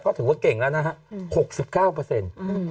ก็ถือว่าเก่งแล้วนะฮะ๖๙เปอร์เซ็นต์